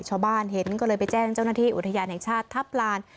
ชาวบ้านเห็นก็เลยไปแจ้งเจ้าหน้าที่อุทยานแห่งชาติทัพลาน